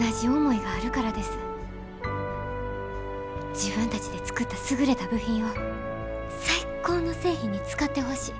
自分たちで作った優れた部品を最高の製品に使ってほしい。